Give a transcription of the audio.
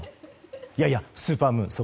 いやいや、スーパームーン。